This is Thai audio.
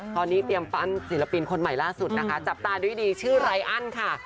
ตอนนี้เตรียมปั้นศิลปินคนใหม่ล่าสุดนะคะจับตาด้วยดีชื่อไรอันค่ะ